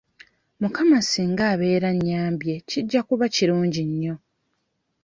Mukama singa abeera annyambye kijja kuba kirungi nnyo.